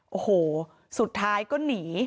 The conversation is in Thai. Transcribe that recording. โอ้โหสุดท้ายก็หนี